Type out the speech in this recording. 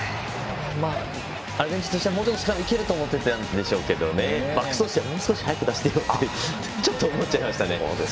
アルゼンチンとしてはもう少しでいけると思っていたんですけどバックスとしてはもう少し早く出してよって思っちゃいましたね。